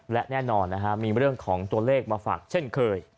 และแน่นอนมีเรื่องของตัวเลขมาฝากเช่นเคย